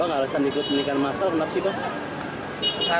pak alasan ikut nikah masal kenapa sih pak